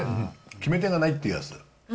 決め手がないっていうやつ。